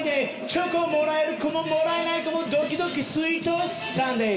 チョコをもらえる子ももらえない子もドキドキスイートサンデー！